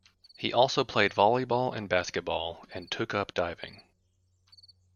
He also played volleyball and basketball and took up diving.